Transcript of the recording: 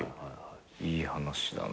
いい話だな。